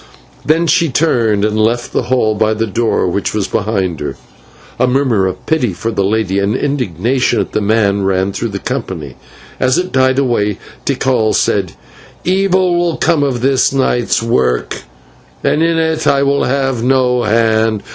Then she turned and left the hall by the door which was behind her. Now a murmur of pity for the lady, and indignation at the man, ran through the company, and as it died away Tikal said: "Evil will come of this night's work, and in it I will have no hand.